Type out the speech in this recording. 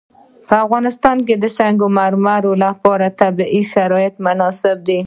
په افغانستان کې د سنگ مرمر لپاره طبیعي شرایط مناسب دي.